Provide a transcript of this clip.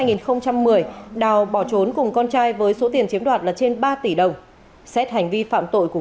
vũ thị đào bỏ trốn cùng con trai với số tiền chiếm đoạt là trên ba tỷ đồng xét hành vi phạm tội của